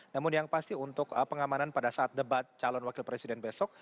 namun yang pasti untuk pengamanan pada saat debat calon wakil presiden besok